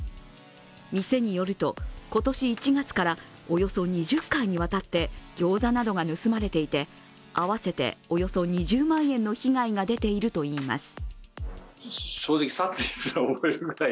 店によると、今年１月からおよそ２０回にわたってギョーザなどが盗まれていて、合わせておよそ２０万円の被害が出ているといいます。